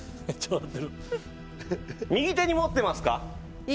右手に持ってますか。